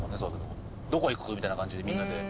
どこ行く？みたいな感じでみんなで。